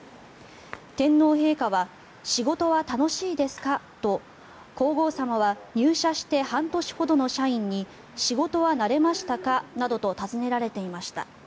天皇陛下は仕事は楽しいですか？と皇后さまは入社して半年ほどの社員に仕事は慣れましたか？などと尋ねられていました。